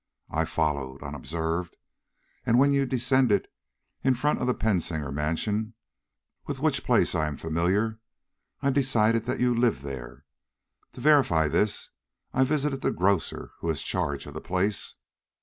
I followed, unobserved, and when you descended in front of the Pensinger mansion, with which place I am familiar, I decided that you lived there. To verify this I visited the grocer who has charge of the place.